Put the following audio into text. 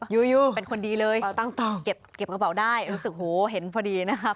อยู่เป็นคนดีเลยเก็บกระเป๋าได้รู้สึกโหเห็นพอดีนะครับ